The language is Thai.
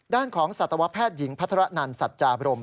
ด้านของสัตวแพทย์หญิงพัฒนันสัจจาบรม